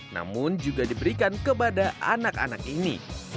namun juga diberikan kepada anak anak ini